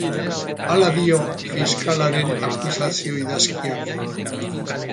Hala dio fiskalaren akusazio-idazkiak.